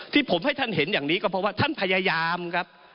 ที่ผมให้ท่านเห็นอย่างนี้ก็เพราะว่าท่านพยายามครับ